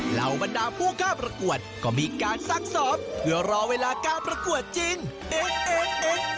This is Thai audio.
เหล่าบรรดาผู้เข้าประกวดก็มีการซักซ้อมเพื่อรอเวลาการประกวดจริง